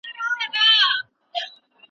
د رنګ او قوم په اساس توپير کول منع دي.